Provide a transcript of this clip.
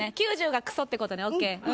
９０がクソってことね。